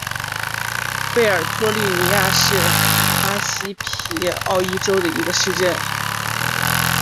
贝尔托利尼亚是巴西皮奥伊州的一个市镇。